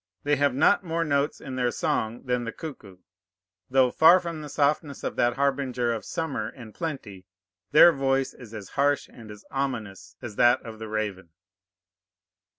They have not more notes in their song than the cuckoo; though, far from the softness of that harbinger of summer and plenty, their voice is as harsh and as ominous as that of the raven.